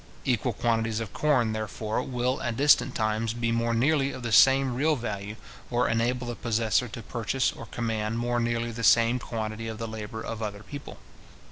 Equal quantities of corn, therefore, will, at distant times, be more nearly of the same real value, or enable the possessor to purchase or command more nearly the same quantity of the labour of other people.